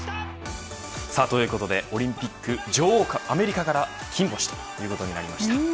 オリンピック女王アメリカから金星ということになりました。